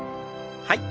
はい。